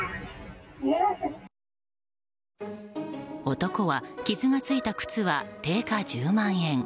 男は傷がついた靴は定価１０万円